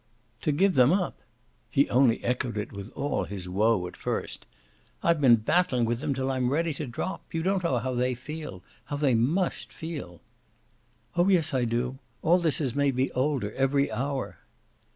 "To give them up?" He only echoed it with all his woe at first. "I've been battling with them till I'm ready to drop. You don't know how they feel how they MUST feel." "Oh yes I do. All this has made me older, every hour."